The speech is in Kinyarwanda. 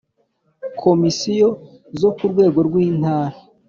Komisiyo zo ku rwego rw intara